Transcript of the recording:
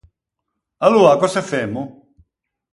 Aloa, cöse femmo?